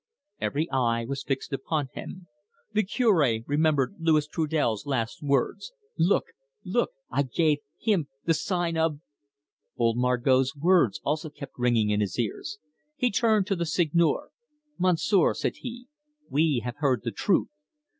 Every eye was fixed upon him. The Cure remembered Louis Trudel's last words: "Look look I gave him the sign of...!" Old Margot's words also kept ringing in his ears. He turned to the Seigneur. "Monsieur," said he, "we have heard the truth.